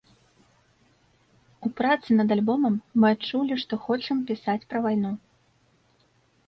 У працы над альбомам мы адчулі, што хочам пісаць пра вайну.